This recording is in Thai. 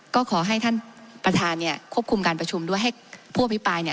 ก็ขอให้ท่านประธานเนี่ยควบคุมการประชุมด้วยให้ผู้อภิปรายเนี่ย